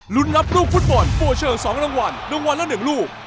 รุ่นรับรุ่งฟุตบอลโปรเชิง๒รางวัลรางวัลละ๑รูป